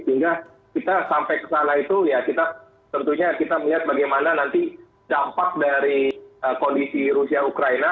sehingga kita sampai ke sana itu ya kita tentunya kita melihat bagaimana nanti dampak dari kondisi rusia ukraina